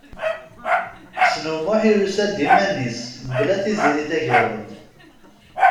Ḥsen U Muḥ yusa-d iman-is, mebla Tiziri Tagawawt.